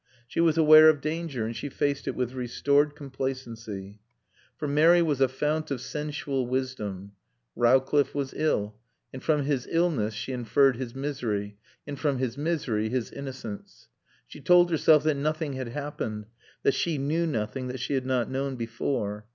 She was aware of danger and she faced it with restored complacency. For Mary was a fount of sensual wisdom. Rowcliffe was ill. And from his illness she inferred his misery, and from his misery his innocence. She told herself that nothing had happened, that she knew nothing that she had not known before.